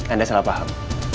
anda salah paham